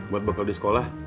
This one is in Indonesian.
buat bekal di sekolah